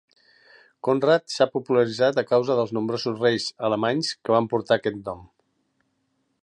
Konrad s'ha popularitzat a causa dels nombrosos reis alemanys que van portar aquest nom.